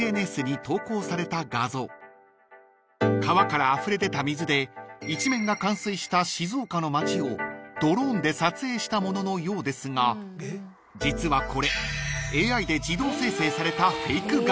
［川からあふれ出た水で一面が冠水した静岡の町をドローンで撮影したもののようですが実はこれＡＩで自動生成された］